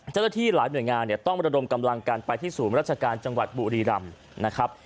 เจ้าหน้าที่หลายหน่วยงานเนี่ยต้องระดมกำลังกันไปที่ศูนย์ราชการจังหวัดบุรีรำนะครับ